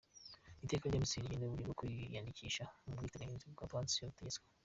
Iteka rya Minisitiri rigena uburyo bwo kwiyandikisha mu bwiteganyirize bwa pansiyo butegetswe;.